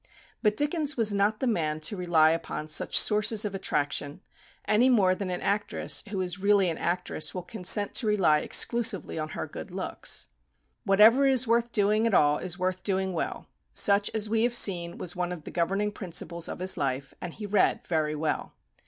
But Dickens was not the man to rely upon such sources of attraction, any more than an actress who is really an actress will consent to rely exclusively on her good looks. "Whatever is worth doing at all is worth doing well," such as we have seen was one of the governing principles of his life; and he read very well.